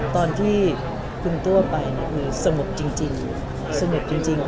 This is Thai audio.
ตอนที่พึ่งตัวไปคือสมบจริงสมบจริง